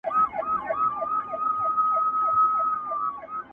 فقط شکل مو بدل دی د دامونو.!